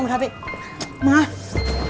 kamu tuh genit banget sih